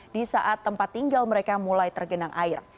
di saat tempat tinggal mereka mulai tergenang air